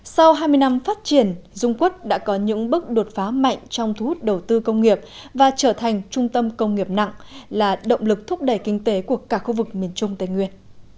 sau hai mươi năm phát triển dung quốc đã có những bước đột phá mạnh trong thu hút đầu tư công nghiệp và trở thành trung tâm công nghiệp nặng là động lực thúc đẩy kinh tế của cả khu vực miền trung tây nguyên